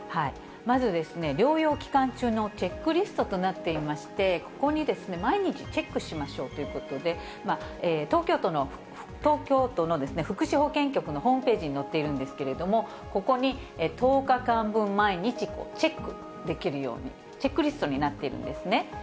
まずですね、療養期間中のチェックリストとなっていまして、ここに、毎日チェックしましょうということで、東京都の福祉保健局のホームページに載っているんですけれども、ここに１０日間分、毎日チェックできるように、チェックリストになっているんですね。